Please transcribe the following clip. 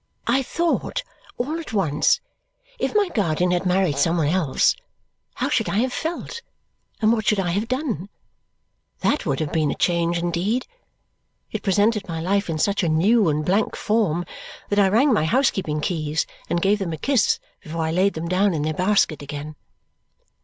I thought, all at once, if my guardian had married some one else, how should I have felt, and what should I have done! That would have been a change indeed. It presented my life in such a new and blank form that I rang my housekeeping keys and gave them a kiss before I laid them down in their basket again.